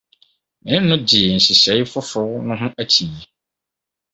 Me ne no gyee nhyehyɛe foforow no ho akyinnye.